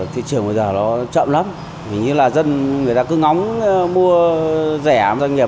thị trường bây giờ nó chậm lắm hình như là dân người ta cứ ngóng mua rẻ doanh nghiệp